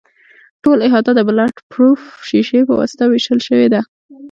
ټوله احاطه د بلټ پروف شیشې په واسطه وېشل شوې ده.